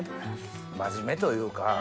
真面目というか。